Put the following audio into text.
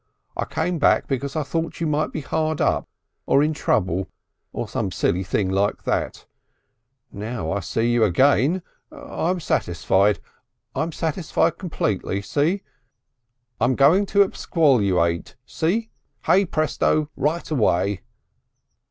I came back because I thought you might be hard up or in trouble or some silly thing like that. Now I see you again I'm satisfied. I'm satisfied completely. See? I'm going to absquatulate, see? Hey Presto right away."